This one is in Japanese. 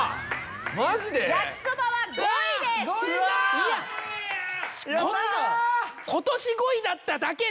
いやこれが今年５位だっただけで。